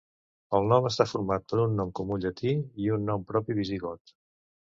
El nom està format per un nom comú llatí i un nom propi visigot.